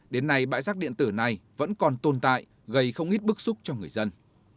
đến nay bãi rác điện tử này vẫn còn tồn tại gây không ít bức xúc cho người dân